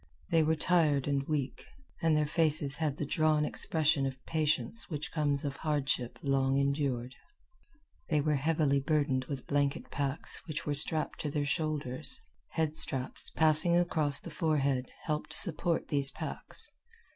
They were tired and weak, and their faces had the drawn expression of patience which comes of hardship long endured. They were heavily burdened with blanket packs which were strapped to their shoulders. Head straps, passing across the forehead, helped support these packs.